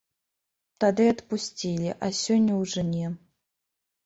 Тады адпусцілі, а сёння ўжо не.